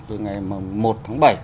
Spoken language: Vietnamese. từ ngày một tháng bảy